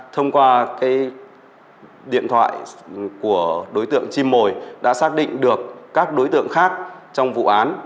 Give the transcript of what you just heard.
thông qua điện thoại của đối tượng chim mồi đã xác định được các đối tượng khác trong vụ án